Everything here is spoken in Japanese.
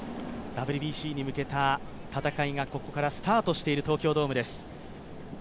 ＷＢＣに向けた戦いがここからスタートしている東京ドームです。